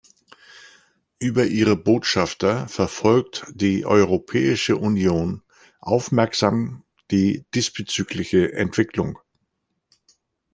Über ihre Botschafter verfolgt die Europäische Union aufmerksam die diesbezügliche Entwicklung.